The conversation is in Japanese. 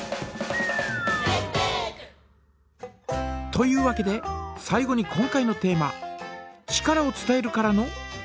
というわけで最後に今回のテーマ「力を伝える」からのクエスチョン！